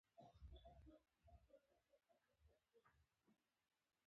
د یوه هېواد د مېشتو قومونو مجموعې ته ملت ویل کېږي.